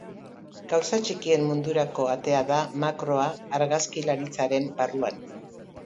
Gauza txikien mundurako atea da makroa argazkilaritzaren barruan.